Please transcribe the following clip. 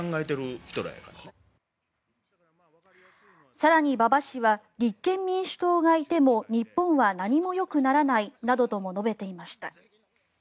更に、馬場氏は立憲民主党がいても日本は何もよくならないなどとも述べていました。